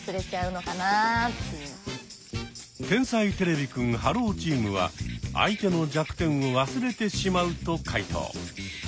天才てれびくんｈｅｌｌｏ，チームは「相手の弱点を忘れてしまう」と解答。